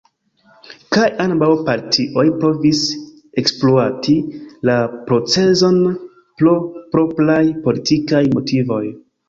Kaj ambaŭ partioj provis ekspluati la procezon pro propraj politikaj motivoj.